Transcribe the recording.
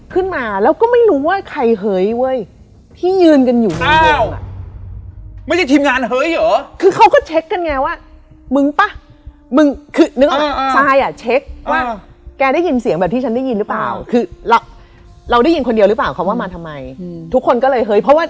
คือถึงขั้นนั้นก็แล้วอ่ะ